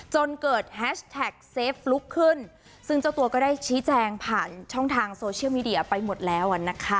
จนเกิดแฮชแท็กเซฟลุกขึ้นซึ่งเจ้าตัวก็ได้ชี้แจงผ่านช่องทางโซเชียลมีเดียไปหมดแล้วนะคะ